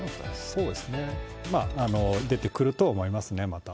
そうですね、出てくるとは思いますね、また。